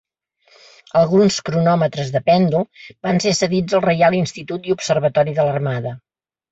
Alguns cronòmetres de pèndol van ser cedits al Reial Institut i Observatori de l'Armada.